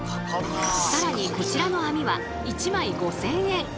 更にこちらの網は１枚５，０００円。